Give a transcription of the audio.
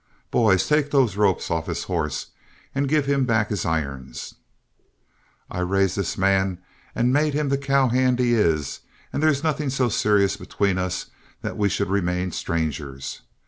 Boys, take those ropes off his horse and give him back his irons; I raised this man and made him the cow hand he is, and there's nothing so serious between us that we should remain strangers.